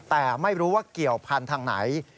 แต่ไม่รู้ว่าเกี่ยวพันธุ์ทางไหน